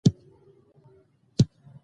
مرغۍ وویل چې د سړي ړندېدل زما سترګه نه جوړوي.